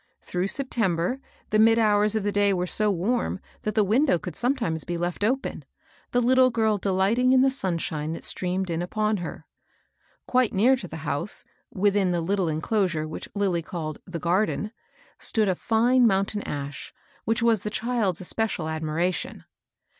Through September, the mid hours of the day were so warm that the window could sometimes be left open, the little girl deUghting in the sunshine that streamed in upon her. Quite near to the house, within the Ut tle enclosure which Lilly called " the garden," stood a fine mountain ash, which was the child's especial admiration.